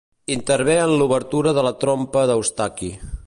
Intervé en l'obertura de la trompa d'Eustaqui.